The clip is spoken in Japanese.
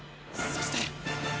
そして。